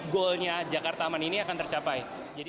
goalnya jakartaman ini akan tercapai